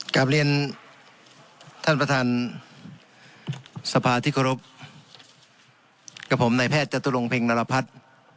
กลับเรียนท่านประธานสภาที่เคารพกับผมในแพทย์จตุรงเพ็งนรพัฒน์